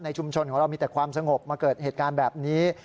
ชุมชนของเรามีแต่ความสงบมาเกิดเหตุการณ์แบบนี้